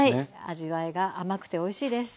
味わいが甘くておいしいです。